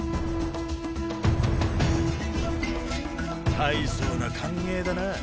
大層な歓迎だな。